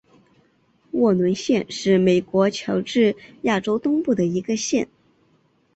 沃伦县是美国乔治亚州东部的一个县。